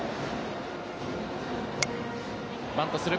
バントする。